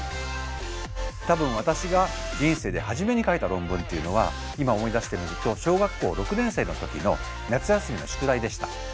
多分私が人生で初めに書いた論文っていうのは今思い出してみると小学校６年生の時の夏休みの宿題でした。